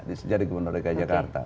di sejari jari kemeneran rakyat jakarta